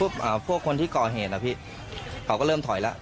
พอขับรถไปดูพวกคนที่ก่อเหตุนะพี่เขาก็เริ่มถอยแล้ว